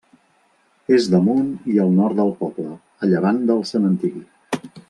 És damunt i al nord del poble, a llevant del cementiri.